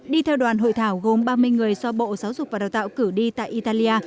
đi theo đoàn hội thảo gồm ba mươi người do bộ giáo dục và đào tạo cử đi tại italia